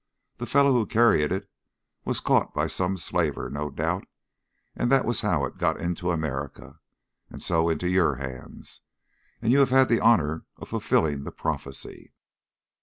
The fellow who carried it was caught by some slaver, no doubt, and that was how it got into America, and so into your hands and you have had the honour of fulfilling the prophecy."